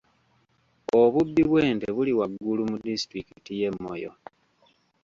Obubbi bw'ente buli waggulu mu disitulikiti y'e Moyo.